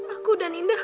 aku dan indah